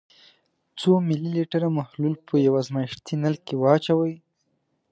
څو ملي لیتره محلول په یو ازمیښتي نل کې واچوئ.